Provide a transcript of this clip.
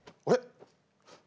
あれ？